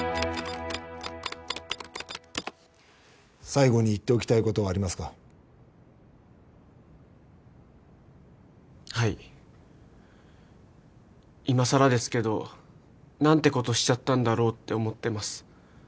最後に言っておきたいことはありますかはいいまさらですけど何てことしちゃったんだろうって思ってます